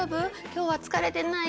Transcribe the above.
今日は疲れてない？